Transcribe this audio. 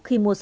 khi mua sắm